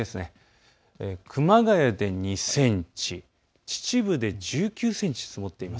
熊谷で２センチ、秩父で１９センチ積もっています。